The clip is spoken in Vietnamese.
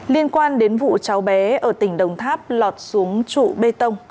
liên quan đến vụ cháu bé ở tỉnh đồng tháp lọt xuống trụ bê tông